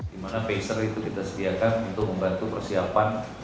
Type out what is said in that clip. dimana peser itu kita sediakan untuk membantu persiapan